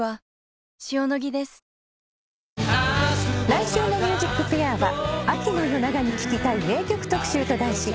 来週の『ＭＵＳＩＣＦＡＩＲ』は秋の夜長に聴きたい名曲特集と題し